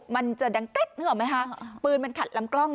มันจะดังติ๊บเริ่มออกไหมฮะปืนมันขัดลำกล้องอ่ะ